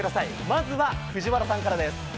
まずは藤原さんからです。